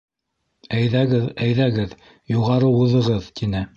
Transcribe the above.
— Әйҙәгеҙ, әйҙәгеҙ, юғары уҙығыҙ, — тине.